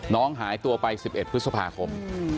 น้องหายตัวไป๑๑พฤษภาคม